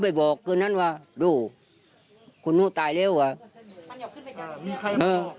พี่เอ็มนั่งกินแต่เช้าเลย